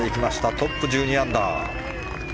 トップ、１２アンダー。